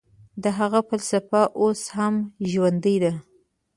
د هغه فلسفه اوس هم ژوندۍ ده.